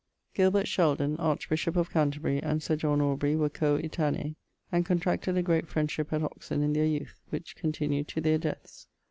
Gilbert Sheldon, archbishop of Canterbury, and Sir John Aubrey were co etanei, and contracted a great friendship at Oxon in their youth, which continued to their deaths.